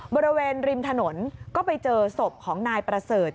บริเวณริมถนนก็ไปเจอศพของนายประเสริฐ